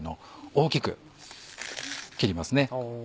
大きく切りますね。